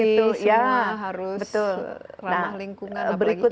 smart city semua harus ramah lingkungan